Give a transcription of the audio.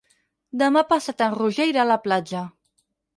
Demà passat en Roger irà a la platja.